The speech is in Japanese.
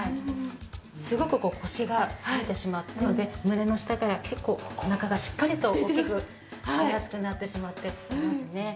すごく腰が反れてしまったので胸の下から結構お腹がしっかりと大きく出やすくなってしまっていますね。